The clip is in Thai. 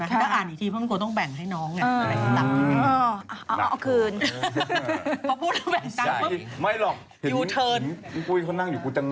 ถ้าอ่านอีกทีพวกมันก็ต้องแบ่งให้น้อง